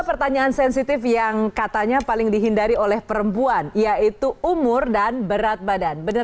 pertanyaan sensitif yang katanya paling dihindari oleh perempuan yaitu umur dan berat badan bener